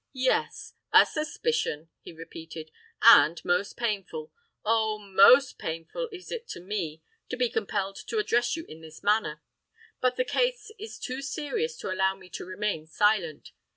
"Yes—a suspicion!" he repeated; "and most painful—oh! most painful is it to me to be compelled to address you in this manner. But the case is too serious to allow me to remain silent.